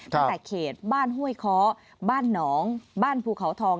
ตั้งแต่เขตบ้านห้วยค้อบ้านหนองบ้านภูเขาทอง